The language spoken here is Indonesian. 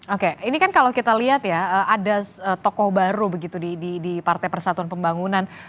oke ini kan kalau kita lihat ya ada tokoh baru begitu di partai persatuan pembangunan